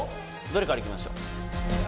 どれからいきましょう？